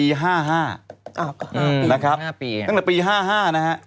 ๕๕ปีนะครับตั้งแต่ปี๕๕นะครับ